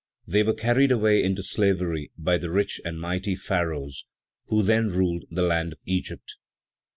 They were carried away into slavery by the rich and mighty Pharaohs who then ruled the land of Egypt.